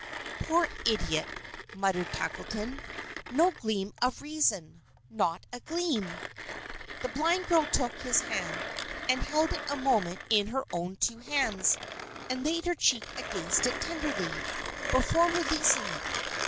"Poor idiot!" muttered Tackleton. "No gleam of reason! Not a gleam!" The blind girl took his hand, and held it a moment in her own two hands, and laid her cheek against it tenderly, before releasing it.